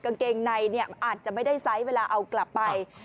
กางเกงในเนี่ยอาจจะไม่ได้ไซส์เวลาเอากลับไป